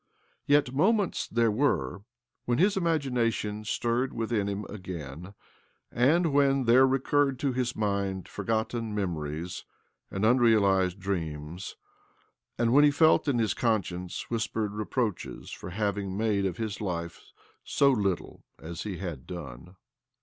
Yet moments there were when his imagi nation stirred within him again, and when there recurred to his mind forgotten memories and unrealized dreams, and when he felt in his conscience whispered re proaches for having made of his life so little as he had done.